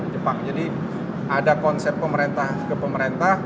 jadi ada konsep pemerintah ke pemerintah